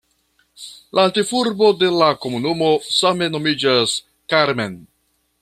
La ĉefurbo de la komunumo same nomiĝas "Carmen".